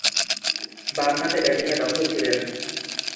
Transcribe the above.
বামহাতে ব্যাটিংয়ে দক্ষ ছিলেন।